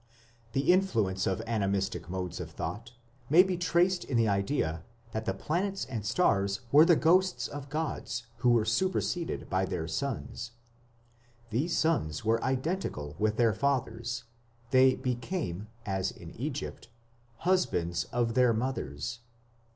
The influence of animistic modes of thought may be traced in the idea that the planets and stars were the ghosts of gods who were superseded by their sons. These sons were identical with their fathers; they became, as in Egypt, "husbands of their mothers".